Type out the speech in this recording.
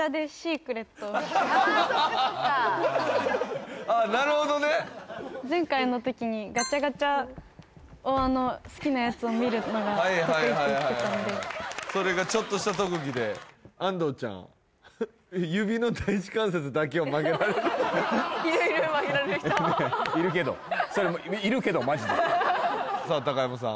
あーそうかそうかああなるほどね前回の時にガチャガチャをあの好きなやつを見るのが得意って言ってたのでそれがちょっとした特技で安藤ちゃんいるいる曲げられる人いるけどそれもいるけどマジでさあ高山さん